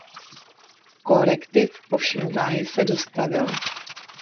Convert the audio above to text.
Korektiv ovšem záhy se dostavil.